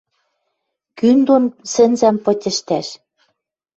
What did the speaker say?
Кӱн дон сӹнзӓм пыть ӹштӓш?